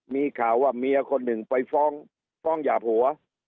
มีข่าวว่าเมียคนหนึ่งไปฟ้องฟ้องหยาบหัว